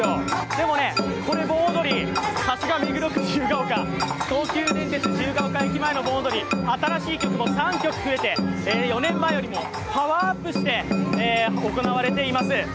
でもね、この盆踊り、さすが目黒区自由が丘、東急電鉄・自由が丘駅、新しい曲も３曲増えて、４年前よりもパワーアップされています。